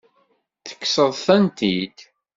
Tekkseḍ-tent-id?